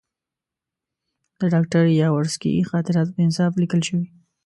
د ډاکټر یاورسکي خاطرات په انصاف لیکل شوي.